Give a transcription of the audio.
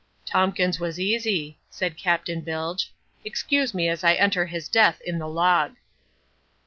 "Tompkins was easy," said Captain Bilge. "Excuse me as I enter his death in the log."